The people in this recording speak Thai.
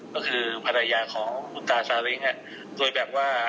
ก็คือภรรยาของคุณตาซาเล้งโดยแบบว่า